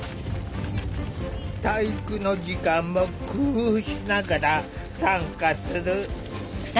体育の時間も工夫しながら参加する。